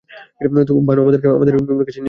ভানু, আমাদেরকে মিমির কাছে নিয়ে চলো।